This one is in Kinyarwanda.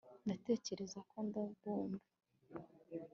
ndatekereza ko ndabumva